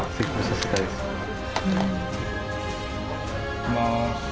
いきます。